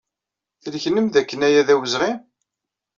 Tleknem dakken aya d awezɣi?